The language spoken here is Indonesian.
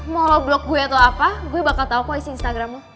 mau lo blok gue atau apa gue bakal tau kok isi instagram lo